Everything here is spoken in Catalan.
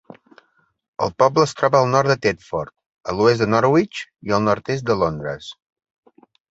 El poble es troba al nord de Thetford, a l'oest de Norwich i al nord-est de Londres.